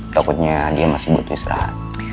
takutnya dia masih butuh istirahat